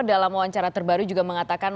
dalam wawancara terbaru juga mengatakan